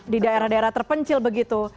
di daerah daerah terpencil begitu